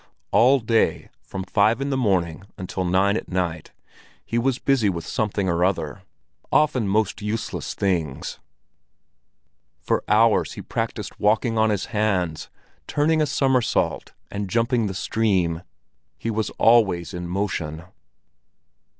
All day, from five in the morning until nine at night, he was busy with something or other, often most useless things. For hours he practiced walking on his hands, turning a somersault, and jumping the stream; he was always in motion.